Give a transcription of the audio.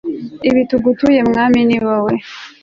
ibi tugutuye mwami ni wowe